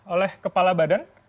oleh kepala badan